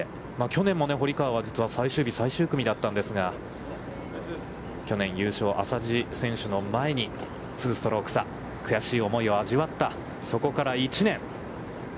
去年も堀川は実は最終日最終組だったんですが、去年優勝浅地選手の前に２ストローク差で悔しい思いを味わった、そこから１年。